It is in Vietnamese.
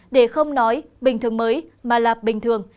để không nói bình thường mới mà là bình thường